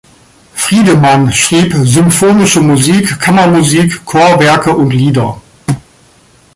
Friedemann schrieb symphonische Musik, Kammermusik, Chorwerke und Lieder.